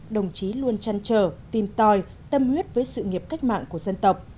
đồng chí luôn chăn trở tìm tòi tâm huyết với sự nghiệp cách mạng của dân tộc